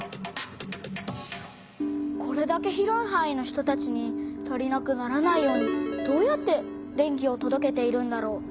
これだけ広いはんいの人たちに足りなくならないようにどうやって電気をとどけているんだろう？